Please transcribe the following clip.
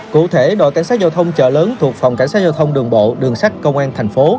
cụ thể đội cảnh sát giao thông chợ lớn thuộc phòng cảnh sát giao thông đường bộ đường sắt công an thành phố